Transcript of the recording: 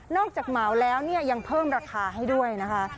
นอกจากเหมาแล้วยังเพิ่มราคาให้ด้วยนะคะ